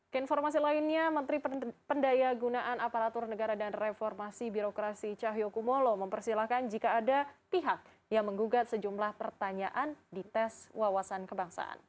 keinformasi lainnya menteri pendaya gunaan aparatur negara dan reformasi birokrasi cahyokumolo mempersilahkan jika ada pihak yang menggugat sejumlah pertanyaan di tes wawasan kebangsaan